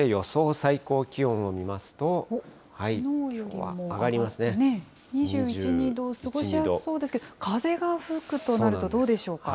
最高気温を見ますと、２１、２度、過ごしやすそうですけど、風が吹くとなるとどうでしょうか。